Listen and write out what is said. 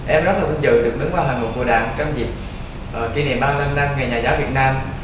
em rất là vinh dự được đứng vào hành mục của đảng trong dịp kỷ niệm ba mươi năm năm nghề nhà giáo việt nam